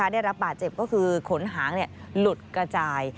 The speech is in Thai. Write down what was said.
ได้รับบาดเจ็บก็คือขนหางหลุดกระจาย